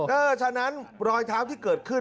ฉะนั้นรอยเท้าที่เกิดขึ้น